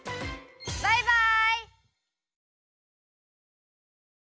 バイバイ！